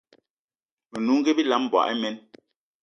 Menungi bilam, mboigi imen